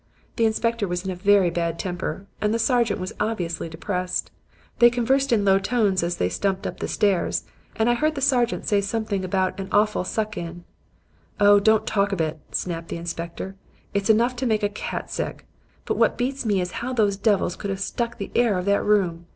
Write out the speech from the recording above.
"The inspector was in a very bad temper and the sergeant was obviously depressed. They conversed in low tones as they stumped up the stairs and I heard the sergeant say something about 'an awful suck in.' "'Oh, don't talk of it,' snapped the inspector. 'It's enough to make a cat sick. But what beats me is how those devils could have stuck the air of that room.